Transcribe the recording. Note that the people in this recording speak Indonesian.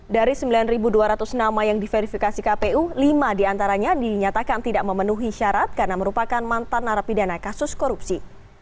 dari sembilan dua ratus nama yang diverifikasi kpu lima diantaranya dinyatakan tidak memenuhi syarat karena merupakan mantan narapidana kasus korupsi